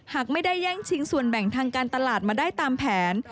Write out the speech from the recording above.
หากไม่ได้แย่งชิงส่วนแบ่งทางการตลาดมาได้ตามแผน